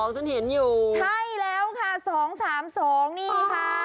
ฉันเห็นอยู่ใช่แล้วค่ะ๒๓๒นี่ค่ะ